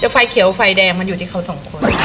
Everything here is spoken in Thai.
ไฟเขียวไฟแดงมันอยู่ที่เขาสองคน